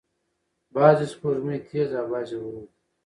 بعضې سپوږمۍ تیز او بعضې ورو دي.